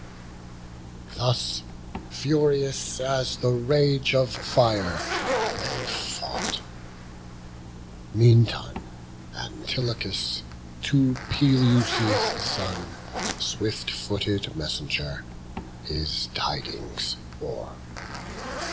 BOOK XVIII. Thus, furious as the rage of fire, they fought. Meantime Antilochus to Peleus' son, Swift footed messenger, his tidings bore.